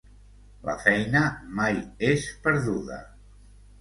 La feina mai és perduda.